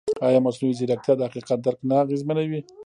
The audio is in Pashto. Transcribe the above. ایا مصنوعي ځیرکتیا د حقیقت درک نه اغېزمنوي؟